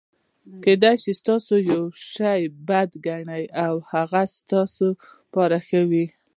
کېدای سي تاسي یوشي بد ګڼى او هغه ستاسي له پاره ښه يي.